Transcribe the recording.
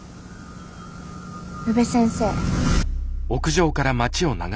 宇部先生。